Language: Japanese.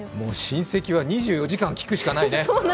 親戚は２４時間、聴くしかないね。